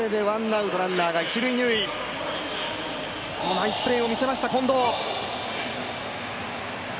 ナイスプレーを見せました近藤。